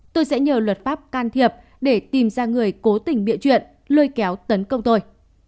tôi sẽ nhờ luật pháp can thiệp để tìm ra người cố tình bịa chuyện lôi kéo tấn công tôi